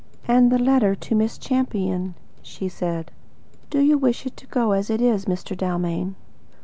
"And about the letter to Miss Champion?" she said. "Do you wish it to go as it is, Mr. Dalmain?"